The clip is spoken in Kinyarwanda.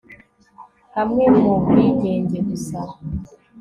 hamwe nubwigenge gusa